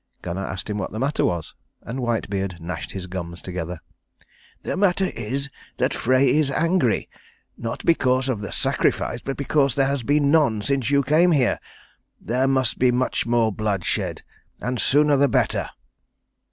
Gunnar asked him what the matter was, and Whitebeard gnashed his gums together. "The matter is that Frey is angry not because of sacrifice, but because there has been none since you came here. There must be much more blood shed and the sooner the better."